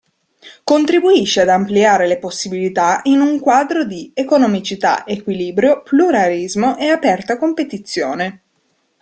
Contribuisce ad ampliare le possibilità in un quadro di economicità, equilibrio, pluralismo e aperta competizione.